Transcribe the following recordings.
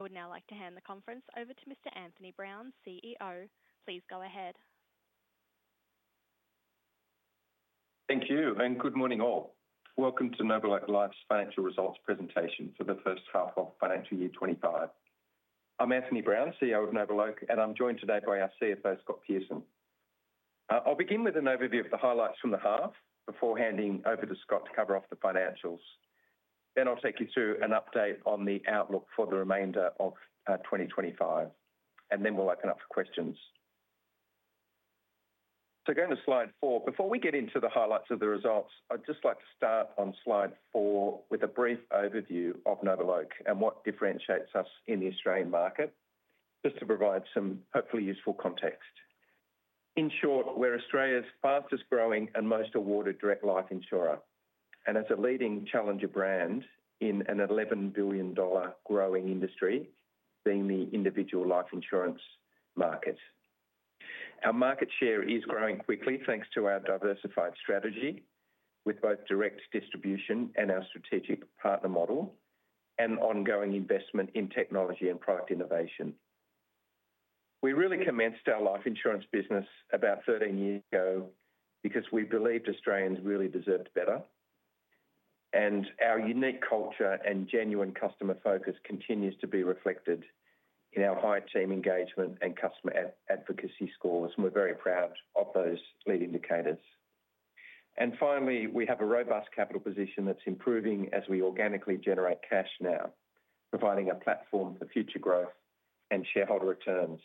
I would now like to hand the conference over to Mr. Anthony Brown, CEO. Please go ahead. Thank you, and good morning all. Welcome to NobleOak Life's Financial Results Presentation for the First Half of Financial Year 2025. I'm Anthony Brown, CEO of NobleOak, and I'm joined today by our CFO, Scott Pearson. I'll begin with an overview of the highlights from the half before handing over to Scott to cover off the financials. I will take you through an update on the outlook for the remainder of 2025, and then we'll open up for questions. Going to Slide 4. Before we get into the highlights of the results, I'd just like to start on Slide 4 with a brief overview of NobleOak and what differentiates us in the Australian market, just to provide some hopefully useful context. In short, we're Australia's fastest-growing and most-awarded direct life insurer, and as a leading challenger brand in an 11 billion dollar growing industry, being the individual life insurance market. Our market share is growing quickly thanks to our diversified strategy with both direct distribution and our strategic partner model, and ongoing investment in technology and product innovation. We really commenced our life insurance business about 13 years ago because we believed Australians really deserved better, and our unique culture and genuine customer focus continues to be reflected in our high team engagement and customer advocacy scores, and we're very proud of those lead indicators. We have a robust capital position that's improving as we organically generate cash now, providing a platform for future growth and shareholder returns.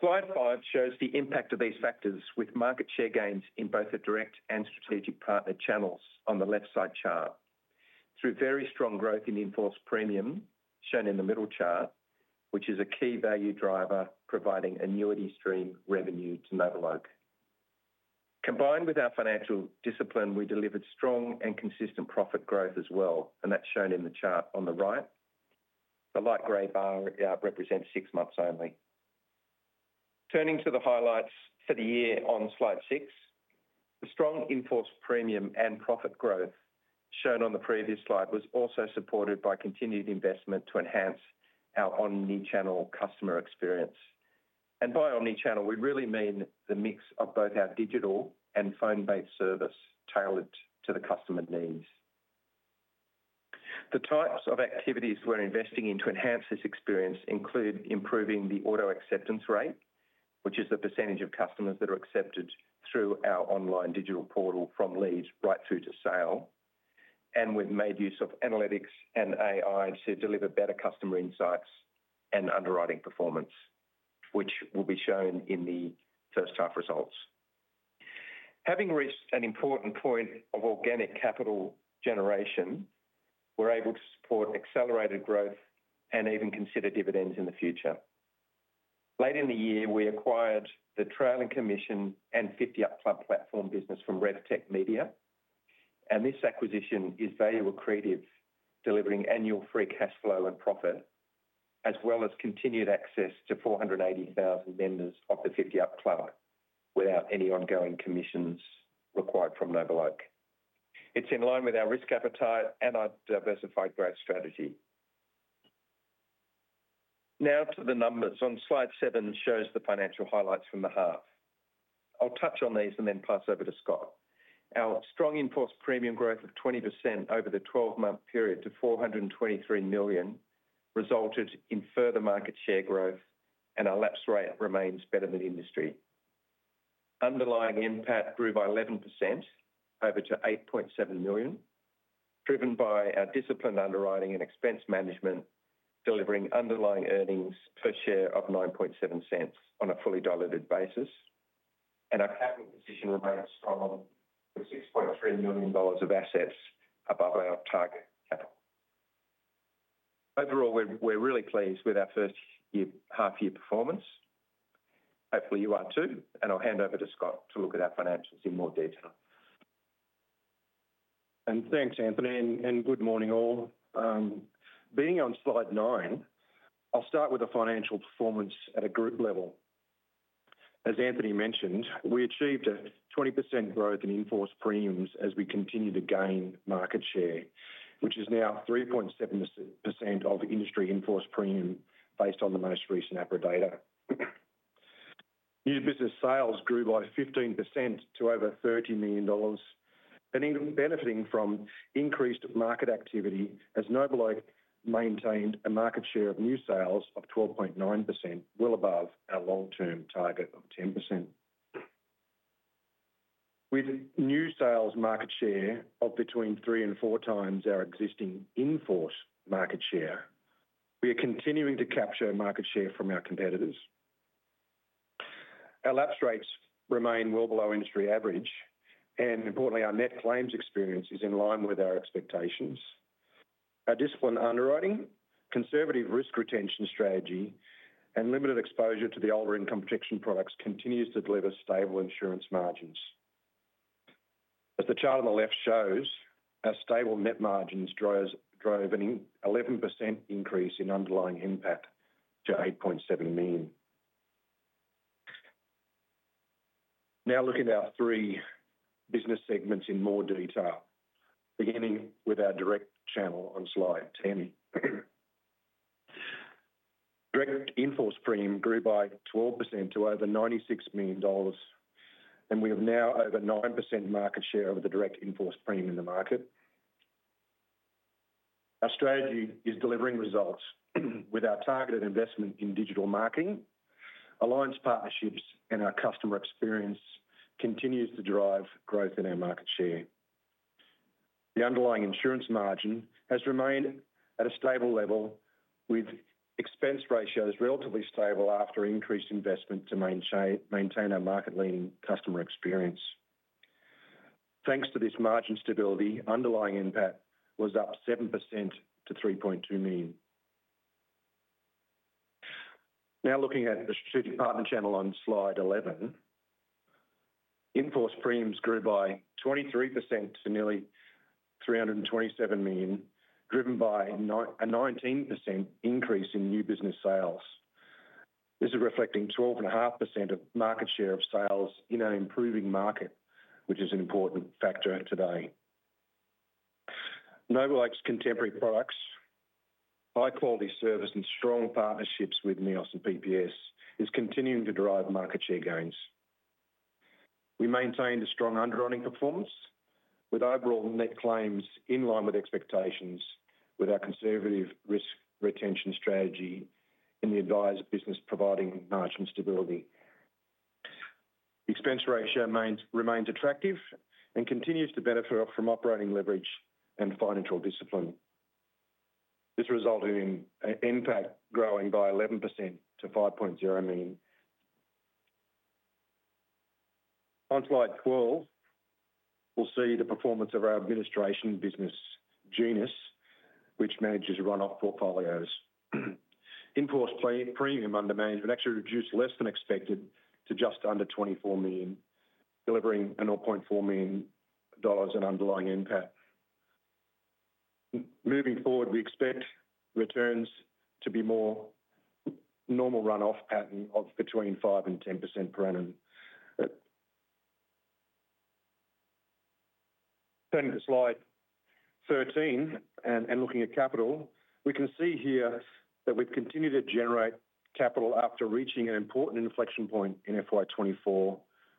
Slide 5 shows the NPAT of these factors with market share gains in both the direct and strategic partner channels on the left side chart. Through very strong growth in in-force premium, shown in the middle chart, which is a key value driver providing annuity stream revenue to NobleOak. Combined with our financial discipline, we delivered strong and consistent profit growth as well, and that's shown in the chart on the right. The light grey bar represents six months only. Turning to the highlights for the year on Slide 6, the strong in-force premium and profit growth shown on the previous slide was also supported by continued investment to enhance our omnichannel customer experience. By omnichannel, we really mean the mix of both our digital and phone-based service tailored to the customer needs. The types of activities we're investing in to enhance this experience include improving the auto-acceptance rate, which is the percentage of customers that are accepted through our online digital portal from leads right through to sale. We've made use of analytics and AI to deliver better customer insights and underwriting performance, which will be shown in the first half results. Having reached an important point of organic capital generation, we're able to support accelerated growth and even consider dividends in the future. Late in the year, we acquired the trailing commission and 50Up Club platform business from RevTech Media, and this acquisition is value accretive, delivering annual free cash flow and profit, as well as continued access to 480,000 members of the 50Up Club without any ongoing commissions required from NobleOak. It's in line with our risk appetite and our diversified growth strategy. Now to the numbers. On Slide 7 shows the financial highlights from the half. I'll touch on these and then pass over to Scott. Our strong in-force premium growth of 20% over the 12-month period to 423 million resulted in further market share growth, and our lapse rate remains better than industry. Underlying NPAT grew by 11% over to 8.7 million, driven by our disciplined underwriting and expense management, delivering underlying earnings per share of 0.097 on a fully diluted basis, and our capital position remains strong with 6.3 million dollars of assets above our target capital. Overall, we're really pleased with our first half-year performance. Hopefully, you are too, and I'll hand over to Scott to look at our financials in more detail. Thanks, Anthony, and good morning all. Being on Slide 9, I'll start with the financial performance at a group level. As Anthony mentioned, we achieved a 20% growth in in-force premiums as we continue to gain market share, which is now 3.7% of industry in-force premium based on the most recent APRA data. New business sales grew by 15% to over 30 million dollars, benefiting from increased market activity as NobleOak maintained a market share of new sales of 12.9%, well above our long-term target of 10%. With new sales market share of between three and four times our existing enforced market share, we are continuing to capture market share from our competitors. Our lapse rates remain well below industry average, and importantly, our net claims experience is in line with our expectations. Our disciplined underwriting, conservative risk retention strategy, and limited exposure to the older income protection products continue to deliver stable insurance margins. As the chart on the left shows, our stable net margins drove an 11% increase in Underlying NPAT to 8.7 million. Now looking at our three business segments in more detail, beginning with our direct channel on Slide 10. Direct in-force premium grew by 12% to over 96 million dollars, and we have now over 9% market share of the direct in-force premium in the market. Our strategy is delivering results with our targeted investment in digital marketing, alliance partnerships, and our customer experience continues to drive growth in our market share. The underlying insurance margin has remained at a stable level, with expense ratios relatively stable after increased investment to maintain our market-leading customer experience. Thanks to this margin stability, Underlying NPAT was up 7% to 3.2 million. Now looking at the strategic partner channel on Slide 11, in-force premiums grew by 23% to nearly 327 million, driven by a 19% increase in new business sales. This is reflecting 12.5% of market share of sales in an improving market, which is an important factor today. NobleOak's contemporary products, high-quality service, and strong partnerships with NEOS and PPS are continuing to drive market share gains. We maintained a strong underwriting performance with overall net claims in line with expectations with our conservative risk retention strategy and the advised business providing margin stability. Expense ratio remains attractive and continues to benefit from operating leverage and financial discipline. This resulted in NPAT growing by 11% to 5.0 million. On Slide 12, we'll see the performance of our administration business, Genus, which manages run-off portfolios. in-force premium under management actually reduced less than expected to just under 24 million, delivering a 0.4 million dollars in Underlying NPAT. Moving forward, we expect returns to be more normal run-off pattern of between 5% and 10% per annum. Turning to Slide 13 and looking at capital, we can see here that we've continued to generate capital after reaching an important inflection point in FY2024,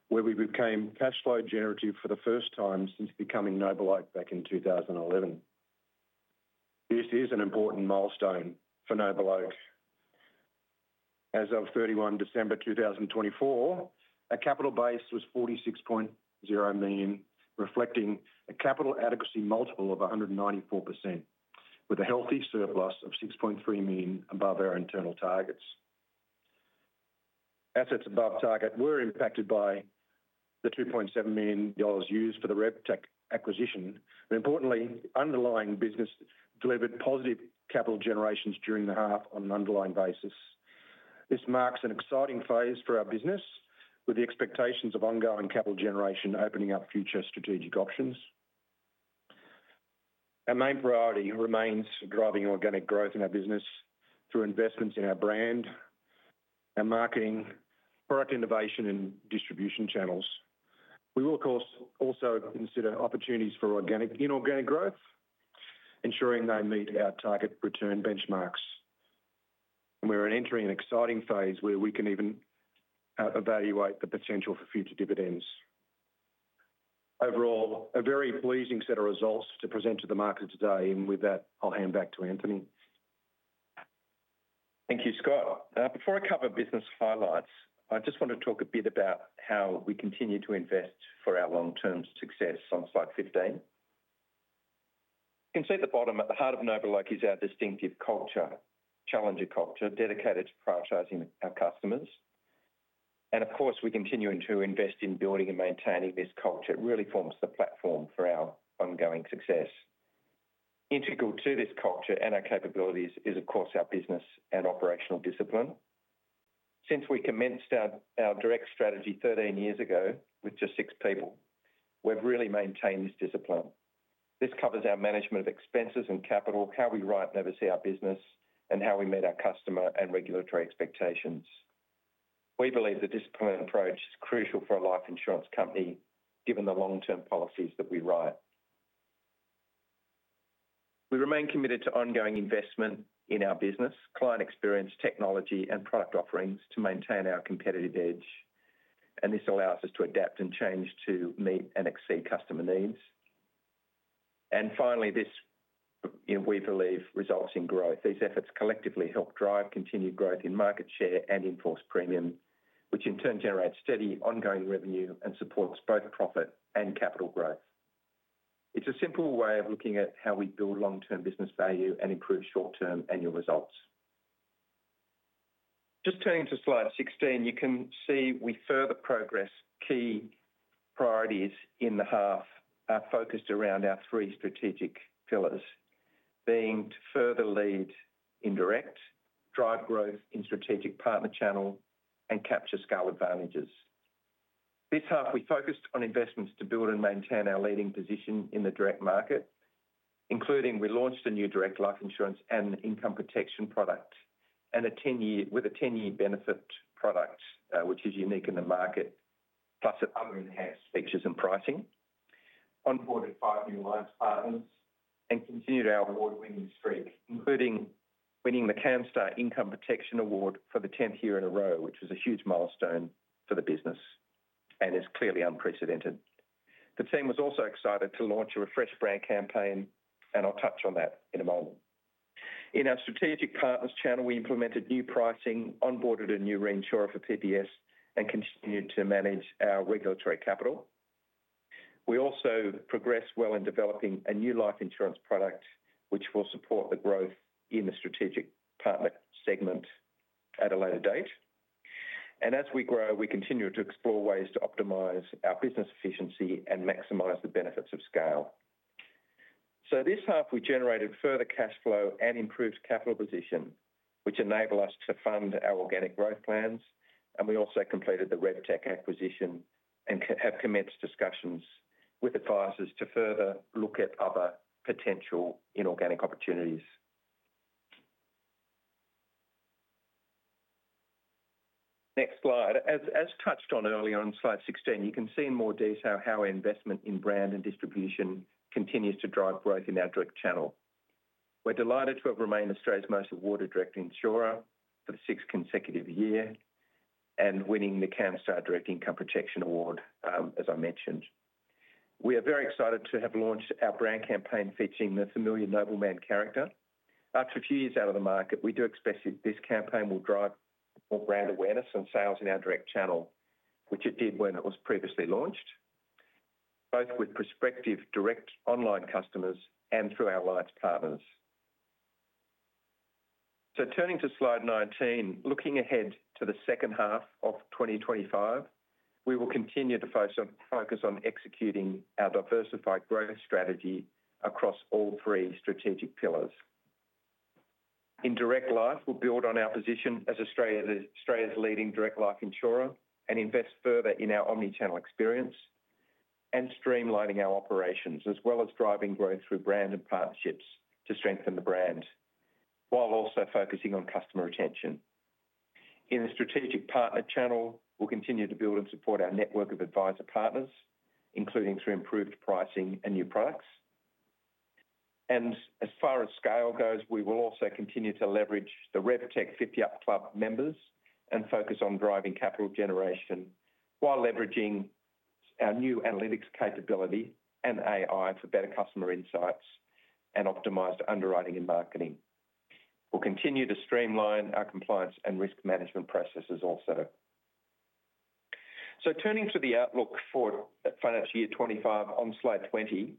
where we became cash flow generative for the first time since becoming NobleOak back in 2011. This is an important milestone for NobleOak. As of 31 December 2024, our capital base was 46.0 million, reflecting a capital adequacy multiple of 194%, with a healthy surplus of 6.3 million above our internal targets. Assets above target were NPATed by the 2.7 million dollars used for the RevTech acquisition, and importantly, underlying business delivered positive capital generation during the half on an underlying basis. This marks an exciting phase for our business, with the expectations of ongoing capital generation opening up future strategic options. Our main priority remains driving organic growth in our business through investments in our brand, our marketing, product innovation, and distribution channels. We will, of course, also consider opportunities for organic and inorganic growth, ensuring they meet our target return benchmarks. We are entering an exciting phase where we can even evaluate the potential for future dividends. Overall, a very pleasing set of results to present to the market today, and with that, I'll hand back to Anthony. Thank you, Scott. Before I cover business highlights, I just want to talk a bit about how we continue to invest for our long-term success on Slide 15. You can see at the bottom at the heart of NobleOak is our distinctive culture, challenger culture, dedicated to prioritizing our customers. Of course, we continue to invest in building and maintaining this culture. It really forms the platform for our ongoing success. Integral to this culture and our capabilities is, of course, our business and operational discipline. Since we commenced our direct strategy 13 years ago with just six people, we've really maintained this discipline. This covers our management of expenses and capital, how we write and oversee our business, and how we meet our customer and regulatory expectations. We believe the disciplined approach is crucial for a life insurance company, given the long-term policies that we write. We remain committed to ongoing investment in our business, client experience, technology, and product offerings to maintain our competitive edge. This allows us to adapt and change to meet and exceed customer needs. Finally, this we believe results in growth. These efforts collectively help drive continued growth in market share and in-force premium, which in turn generates steady ongoing revenue and supports both profit and capital growth. It is a simple way of looking at how we build long-term business value and improve short-term annual results. Just turning to Slide 16, you can see we further progress key priorities in the half focused around our three strategic pillars, being to further lead in direct, drive growth in strategic partner channel, and capture scale advantages. This half, we focused on investments to build and maintain our leading position in the direct market, including we launched a new direct life insurance and income protection product with a 10-year benefit product, which is unique in the market, plus other enhanced features and pricing. Onboarded five new life partners and continued our award-winning streak, including winning the Canstar Income Protection Award for the 10th year in a row, which was a huge milestone for the business and is clearly unprecedented. The team was also excited to launch a refresh brand campaign, and I'll touch on that in a moment. In our strategic partners channel, we implemented new pricing, onboarded a new reinsurer for PPS, and continued to manage our regulatory capital. We also progressed well in developing a new life insurance product, which will support the growth in the strategic partner segment at a later date. As we grow, we continue to explore ways to optimize our business efficiency and maximize the benefits of scale. This half, we generated further cash flow and improved capital position, which enabled us to fund our organic growth plans, and we also completed the RevTech acquisition and have commenced discussions with advisors to further look at other potential inorganic opportunities. Next slide. As touched on earlier on Slide 16, you can see in more detail how our investment in brand and distribution continues to drive growth in our direct channel. We're delighted to have remained Australia's most awarded direct insurer for the sixth consecutive year and winning the Canstar Direct Income Protection Award, as I mentioned. We are very excited to have launched our brand campaign featuring the familiar NobleMan character. After a few years out of the market, we do expect that this campaign will drive more brand awareness and sales in our direct channel, which it did when it was previously launched, both with prospective direct online customers and through our alliance partners. Turning to Slide 19, looking ahead to the second half of 2025, we will continue to focus on executing our diversified growth strategy across all three strategic pillars. In direct life, we'll build on our position as Australia's leading direct life insurer and invest further in our omnichannel experience and streamlining our operations, as well as driving growth through brand and partnerships to strengthen the brand, while also focusing on customer retention. In the strategic partner channel, we'll continue to build and support our network of advisor partners, including through improved pricing and new products. As far as scale goes, we will also continue to leverage the RevTech 50Up Club members and focus on driving capital generation while leveraging our new analytics capability and AI for better customer insights and optimized underwriting and marketing. We'll continue to streamline our compliance and risk management processes also. Turning to the outlook for financial year 2025 on Slide 20,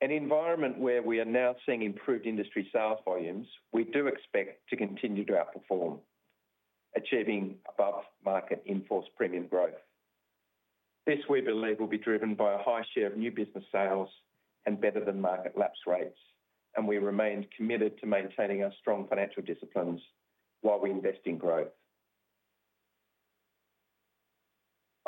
in an environment where we are now seeing improved industry sales volumes, we do expect to continue to outperform, achieving above-market in-force premium growth. This, we believe, will be driven by a high share of new business sales and better-than-market lapse rates, and we remain committed to maintaining our strong financial disciplines while we invest in growth.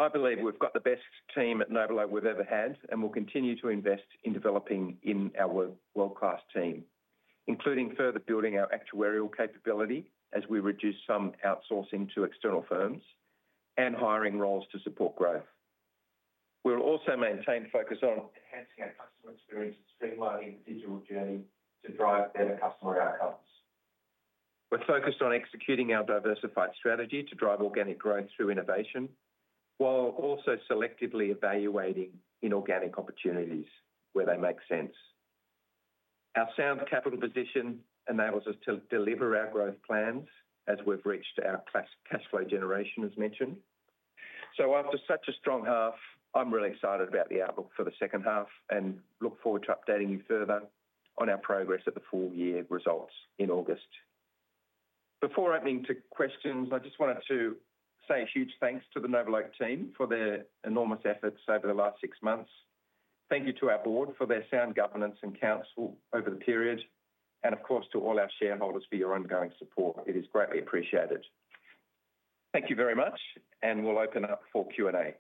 I believe we've got the best team at NobleOak we've ever had, and we'll continue to invest in developing our world-class team, including further building our actuarial capability as we reduce some outsourcing to external firms and hiring roles to support growth. We'll also maintain focus on enhancing our customer experience and streamlining the digital journey to drive better customer outcomes. We're focused on executing our diversified strategy to drive organic growth through innovation, while also selectively evaluating inorganic opportunities where they make sense. Our sound capital position enables us to deliver our growth plans as we've reached our cash flow generation, as mentioned. After such a strong half, I'm really excited about the outlook for the second half and look forward to updating you further on our progress at the full-year results in August. Before opening to questions, I just wanted to say a huge thanks to the NobleOak team for their enormous efforts over the last six months. Thank you to our board for their sound governance and counsel over the period, and of course, to all our shareholders for your ongoing support. It is greatly appreciated. Thank you very much, and we'll open up for Q&A.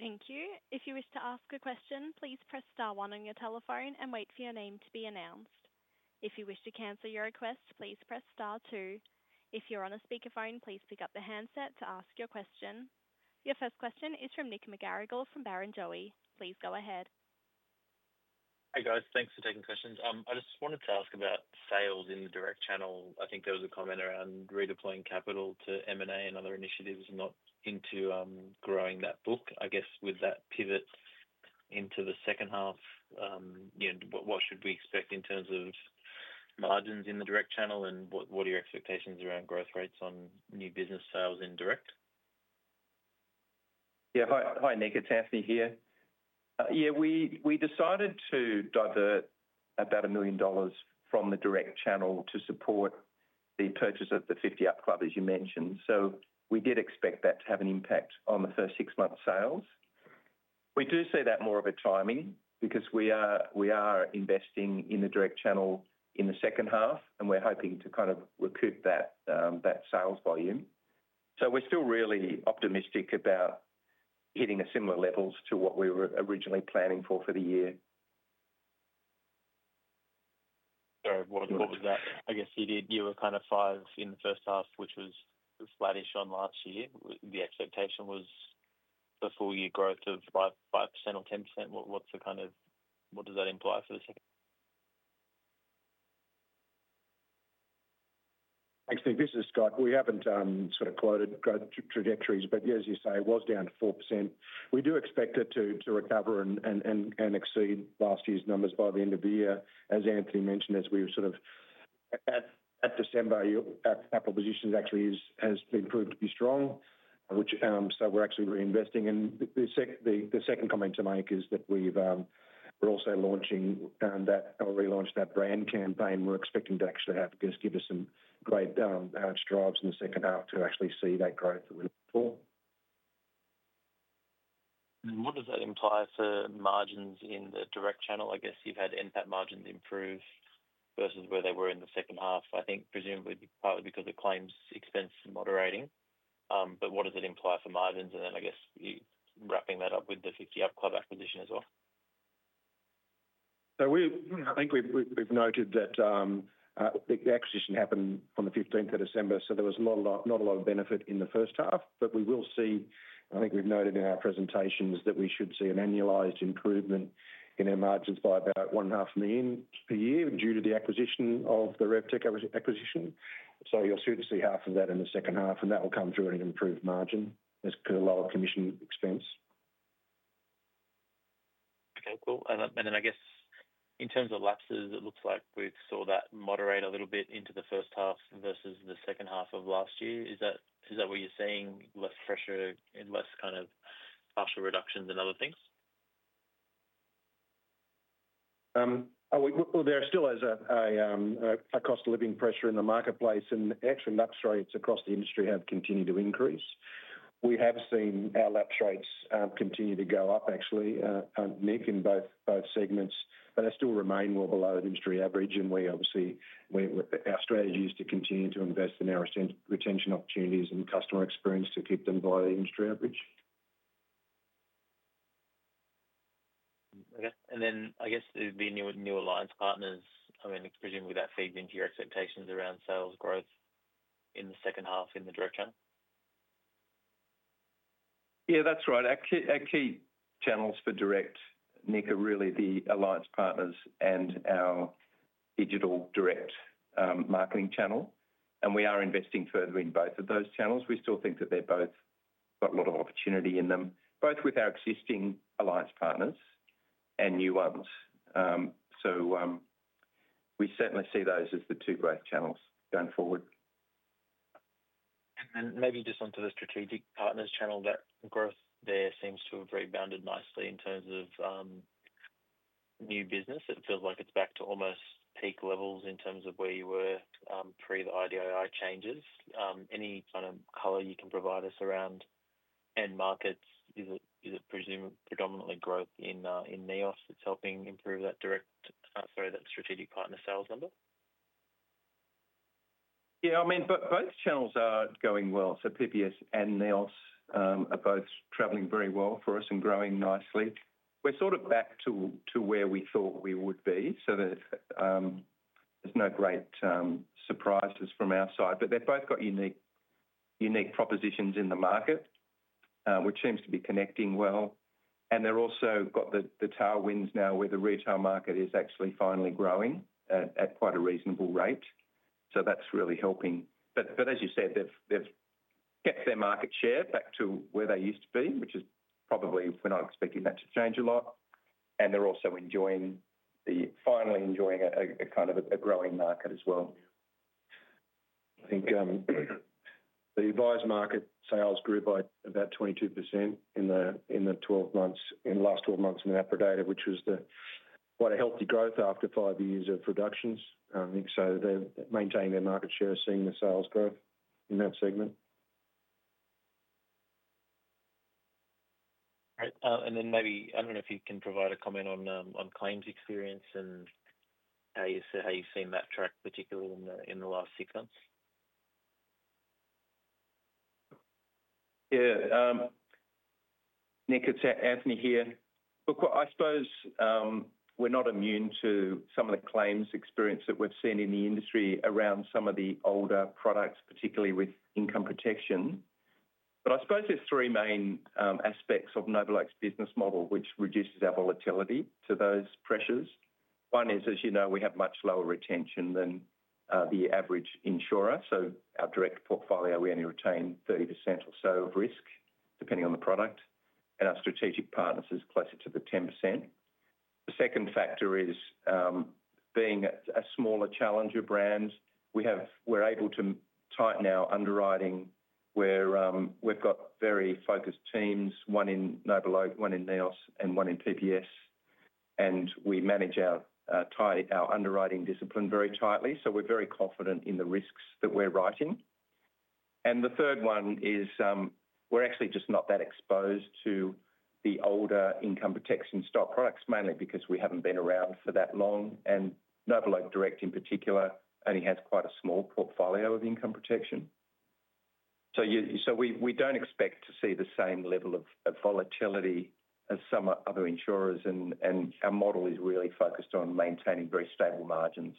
Thank you. If you wish to ask a question, please press star one on your telephone and wait for your name to be announced. If you wish to cancel your request, please press star two. If you're on a speakerphone, please pick up the handset to ask your question. Your first question is from Nick McGarrigle from Barrenjoey. Please go ahead. Hey, guys. Thanks for taking questions. I just wanted to ask about sales in the direct channel. I think there was a comment around redeploying capital to M&A and other initiatives and not into growing that book. I guess with that pivot into the second half, what should we expect in terms of margins in the direct channel and what are your expectations around growth rates on new business sales in direct? Yeah. Hi, Nick. It's Anthony here. Yeah, we decided to divert about 1 million dollars from the direct channel to support the purchase of the 50Up Club, as you mentioned. We did expect that to have an NPAT on the first six months' sales. We do see that more of a timing because we are investing in the direct channel in the second half, and we're hoping to kind of recoup that sales volume. We are still really optimistic about hitting similar levels to what we were originally planning for for the year. Sorry, what was that? I guess you did. You were kind of five in the first half, which was flattish on last year. The expectation was a full-year growth of 5% or 10%. What's the kind of what does that imply for the second? Thanks. This is Scott. We haven't sort of quoted trajectories, but as you say, it was down to 4%. We do expect it to recover and exceed last year's numbers by the end of the year. As Anthony mentioned, as we were sort of at December, our proposition actually has been proved to be strong, which, so we're actually reinvesting. The second comment to make is that we're also launching that or relaunching that brand campaign. We're expecting to actually have just give us some great strides in the second half to actually see that growth that we look for. What does that imply for margins in the direct channel? I guess you've had NPAT margins improve versus where they were in the second half, I think, presumably partly because of claims expense moderating. What does it imply for margins? I guess wrapping that up with the 50Up Club acquisition as well. I think we've noted that the acquisition happened on the 15th of December, so there was not a lot of benefit in the first half, but we will see, I think we've noted in our presentations, that we should see an annualized improvement in our margins by about $1.5 million per year due to the acquisition of the RevTech acquisition. You'll soon see half of that in the second half, and that will come through at an improved margin as a lower commission expense. Okay, cool. I guess in terms of lapses, it looks like we saw that moderate a little bit into the first half versus the second half of last year. Is that what you're seeing? Less pressure and less kind of partial reductions and other things? There still is a cost of living pressure in the marketplace, and actually lapse rates across the industry have continued to increase. We have seen our lapse rates continue to go up, actually, Nick, in both segments, but they still remain well below the industry average. We obviously, our strategy is to continue to invest in our retention opportunities and customer experience to keep them below the industry average. Okay. I guess there's been new alliance partners. I mean, presumably that feeds into your expectations around sales growth in the second half in the direct channel. Yeah, that's right. Our key channels for direct, Nick, are really the alliance partners and our digital direct marketing channel. We are investing further in both of those channels. We still think that they've both got a lot of opportunity in them, both with our existing alliance partners and new ones. We certainly see those as the two growth channels going forward. Maybe just onto the strategic partners channel, that growth there seems to have rebounded nicely in terms of new business. It feels like it's back to almost peak levels in terms of where you were pre the IDII changes. Any kind of color you can provide us around end markets? Is it presumably predominantly growth in NEOS that's helping improve that direct, sorry, that strategic partner sales number? Yeah, I mean, both channels are going well. PPS and NEOS are both travelling very well for us and growing nicely. We're sort of back to where we thought we would be, so there's no great surprises from our side. They have both got unique propositions in the market, which seems to be connecting well. They have also got the tailwinds now where the retail market is actually finally growing at quite a reasonable rate. That is really helping. As you said, they have kept their market share back to where they used to be, which is probably we're not expecting that to change a lot. They are also finally enjoying a kind of a growing market as well. I think the advisor market sales grew by about 22% in the 12 months, in last 12 months in the aggregated, which was quite a healthy growth after five years of reductions. They are maintaining their market share, seeing the sales growth in that segment. Right. I don't know if you can provide a comment on claims experience and how you've seen that track, particularly in the last six months. Yeah. Nick, it's Anthony here. Look, I suppose we're not immune to some of the claims experience that we've seen in the industry around some of the older products, particularly with income protection. I suppose there's three main aspects of NobleOak's business model, which reduces our volatility to those pressures. One is, as you know, we have much lower retention than the average insurer. Our direct portfolio, we only retain 30% or so of risk, depending on the product. Our strategic partners is closer to the 10%. The second factor is being a smaller challenger brand. We're able to tighten our underwriting. We've got very focused teams, one in NobleOak, one in NEOS, and one in PPS. We manage our underwriting discipline very tightly, so we're very confident in the risks that we're writing. The third one is we're actually just not that exposed to the older income protection stock products, mainly because we haven't been around for that long. NobleOak Direct, in particular, only has quite a small portfolio of income protection. We don't expect to see the same level of volatility as some other insurers, and our model is really focused on maintaining very stable margins.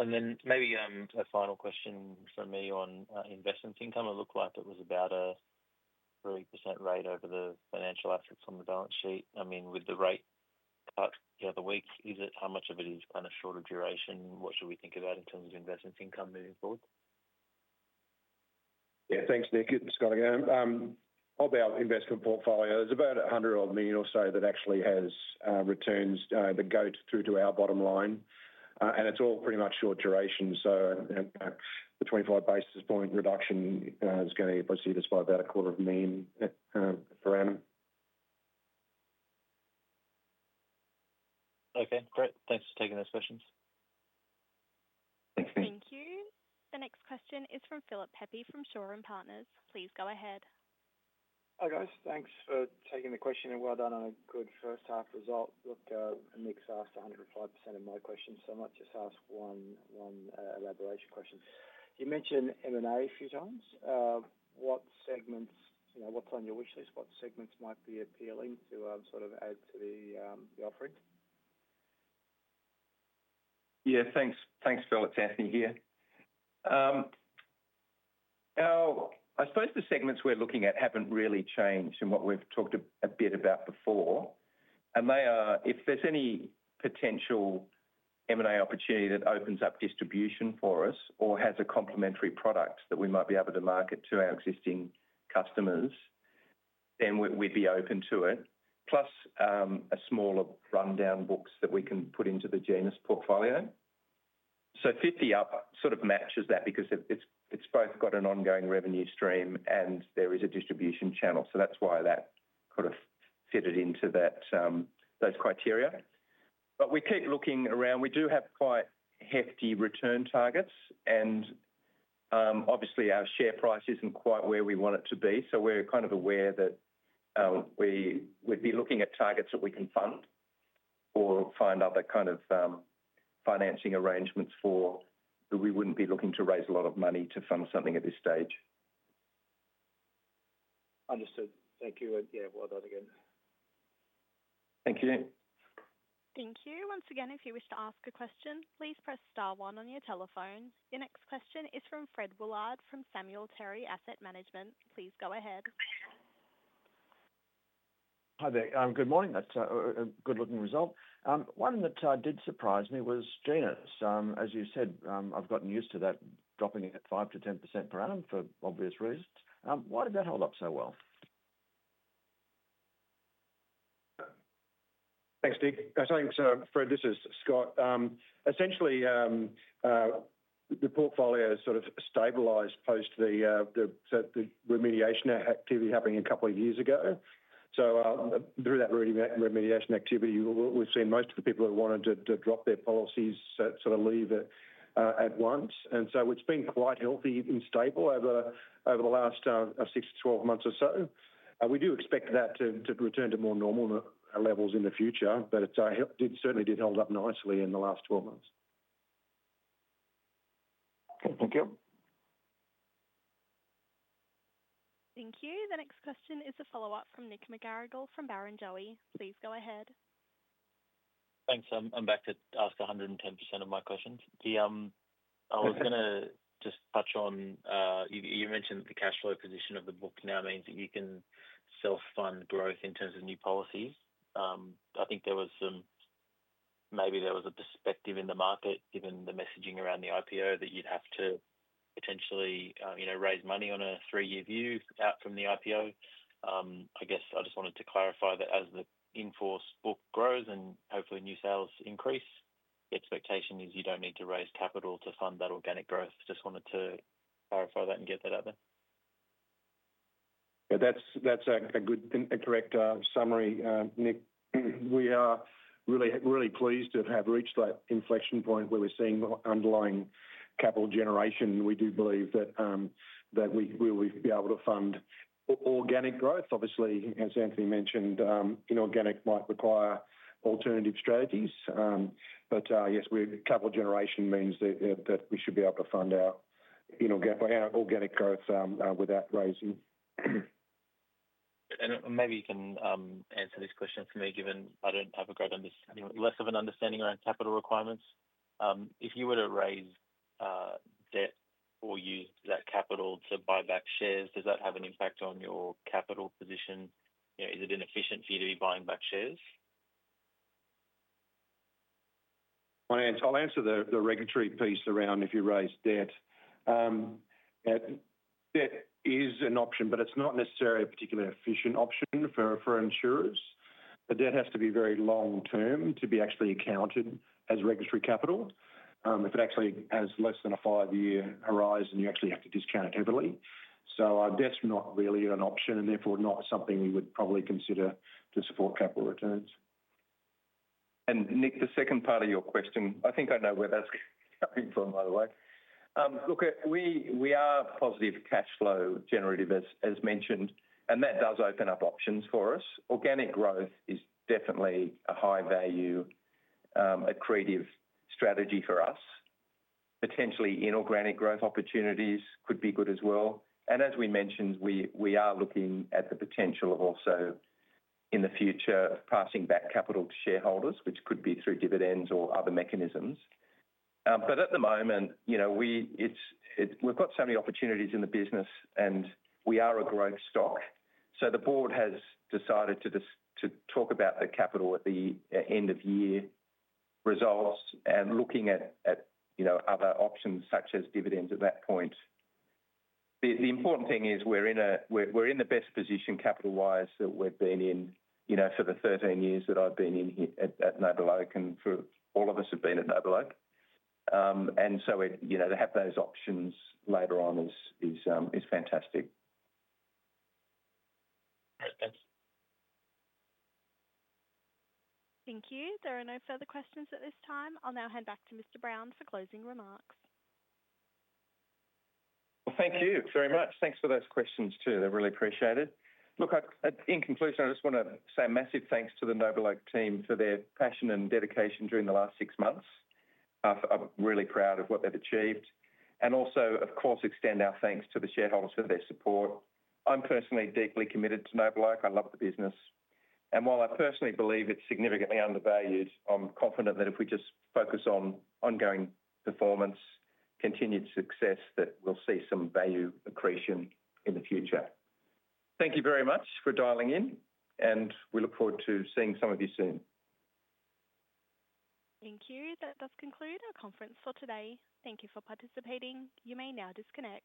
Cool. Maybe a final question from me on investment income. It looked like it was about a 3% rate over the financial assets on the balance sheet. I mean, with the rate cut the other week, is it how much of it is kind of shorter duration? What should we think about in terms of investment income moving forward? Yeah, thanks, Nick. Scott again. Of our investment portfolio, there's about 100 million or so that actually has returns that go through to our bottom line. It is all pretty much short duration. The 25 basis point reduction is going to be proceeded by about 250,000 per annum. Okay. Great. Thanks for taking those questions. Thanks, Nick. Thank you. The next question is from Philip Pepe from Shaw & Partners. Please go ahead. Hi, guys. Thanks for taking the question. And well done on a good first half result. Look, Nick's asked 105% of my questions, so I might just ask one elaboration question. You mentioned M&A a few times. What segments, what's on your wish list? What segments might be appealing to sort of add to the offering? Yeah, thanks, Philip. It's Anthony here. I suppose the segments we're looking at haven't really changed from what we've talked a bit about before. If there's any potential M&A opportunity that opens up distribution for us or has a complementary product that we might be able to market to our existing customers, then we'd be open to it. Plus a smaller rundown books that we can put into the Genus portfolio. 50-up sort of matches that because it's both got an ongoing revenue stream and there is a distribution channel. That's why that sort of fitted into those criteria. We keep looking around. We do have quite hefty return targets, and obviously our share price isn't quite where we want it to be. We're kind of aware that we'd be looking at targets that we can fund or find other kind of financing arrangements for, that we wouldn't be looking to raise a lot of money to fund something at this stage. Understood. Thank you. Yeah, well done again. Thank you, Nick. Thank you. Once again, if you wish to ask a question, please press star one on your telephone. Your next question is from Fred Woollard from Samuel Terry Asset Management. Please go ahead. Hi, there. Good morning. That's a good-looking result. One that did surprise me was Genus. As you said, I've gotten used to that dropping at 5-10% per annum for obvious reasons. Why did that hold up so well? Thanks, Nick. Thanks, Fred. This is Scott. Essentially, the portfolio has sort of stabilized post the remediation activity happening a couple of years ago. Through that remediation activity, we've seen most of the people who wanted to drop their policies sort of leave at once. It has been quite healthy and stable over the last 6-12 months or so. We do expect that to return to more normal levels in the future, but it certainly did hold up nicely in the last 12 months. Okay, thank you. Thank you. The next question is a follow-up from Nick McGarrigle from Barrenjoey. Please go ahead. Thanks. I'm back to ask 110% of my questions. I was going to just touch on you mentioned that the cash flow position of the book now means that you can self-fund growth in terms of new policies. I think there was some maybe there was a perspective in the market, given the messaging around the IPO, that you'd have to potentially raise money on a three-year view out from the IPO. I guess I just wanted to clarify that as the inforce book grows and hopefully new sales increase, the expectation is you don't need to raise capital to fund that organic growth. Just wanted to clarify that and get that out there. Yeah, that's a good and correct summary, Nick. We are really pleased to have reached that inflection point where we're seeing underlying capital generation. We do believe that we will be able to fund organic growth. Obviously, as Anthony mentioned, inorganic might require alternative strategies. Yes, capital generation means that we should be able to fund our organic growth without raising. Maybe you can answer this question for me, given I don't have a great understanding, less of an understanding around capital requirements. If you were to raise debt or use that capital to buy back shares, does that have an NPAT on your capital position? Is it inefficient for you to be buying back shares? I'll answer the regulatory piece around if you raise debt. Debt is an option, but it's not necessarily a particularly efficient option for insurers. The debt has to be very long-term to be actually accounted as regulatory capital. If it actually has less than a five-year horizon, you actually have to discount it heavily. Debt's not really an option and therefore not something we would probably consider to support capital returns. Nick, the second part of your question, I think I know where that's coming from, by the way. Look, we are positive cash flow generative, as mentioned, and that does open up options for us. Organic growth is definitely a high-value, accretive strategy for us. Potentially inorganic growth opportunities could be good as well. As we mentioned, we are looking at the potential of also in the future passing back capital to shareholders, which could be through dividends or other mechanisms. At the moment, we've got so many opportunities in the business and we are a growth stock. The board has decided to talk about the capital at the end-of-year results and looking at other options such as dividends at that point. The important thing is we're in the best position capital-wise that we've been in for the 13 years that I've been in at NobleOak and for all of us have been at NobleOak. To have those options later on is fantastic. Great. Thanks. Thank you. There are no further questions at this time. I'll now hand back to Mr. Brown for closing remarks. Thank you very much. Thanks for those questions too. They're really appreciated. In conclusion, I just want to say a massive thanks to the NobleOak team for their passion and dedication during the last six months. I'm really proud of what they've achieved. Also, of course, extend our thanks to the shareholders for their support. I'm personally deeply committed to NobleOak. I love the business. While I personally believe it's significantly undervalued, I'm confident that if we just focus on ongoing performance, continued success, we'll see some value accretion in the future. Thank you very much for dialing in, and we look forward to seeing some of you soon. Thank you. That does conclude our conference for today. Thank you for participating. You may now disconnect.